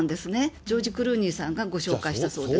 ジョージ・クルーニーさんがご紹介したそうです。